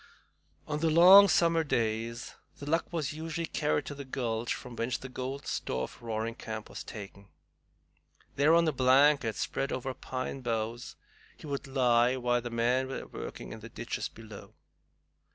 On the long summer days The Luck was usually carried to the gulch from whence the golden store of Roaring Camp was taken. There, on a blanket spread over pine boughs, he would lie while the men were working in the ditches below.